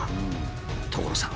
所さん！